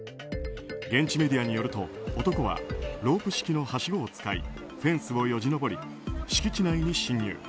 現地メディアによると男はロープ式のはしごを使いフェンスをよじ登り敷地内に侵入。